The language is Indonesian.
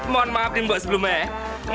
mohon maafin bu sebelumnya ya